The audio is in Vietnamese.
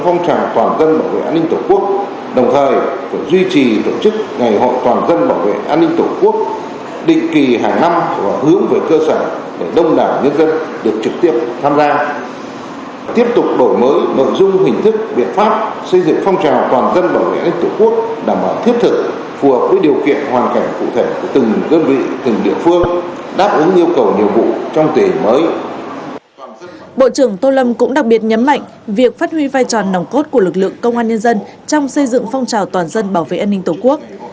bộ trưởng tôn lâm cũng đặc biệt nhấn mạnh việc phát huy vai tròn nồng cốt của lực lượng công an nhân dân trong xây dựng phong trào toàn dân bảo vệ an ninh tổ quốc